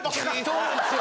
そうなんですよ。